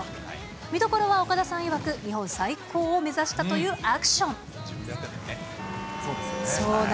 見どころは岡田さんいわく、日本最高を目指したというアクション。